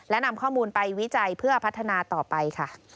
และนำข้อมูลไปวิจัยเพื่อพัฒนาต่อไปค่ะ